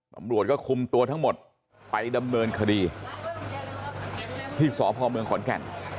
ตำรวจก็คุมตัวทั้งหมดไปดำเนินคดีที่สพเมืองขอนแก่น